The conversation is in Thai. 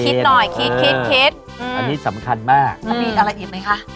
คิดหน่อยคิดคิดคิดคิดอันนี้สำคัญมากแล้วมีอะไรอีกไหมคะ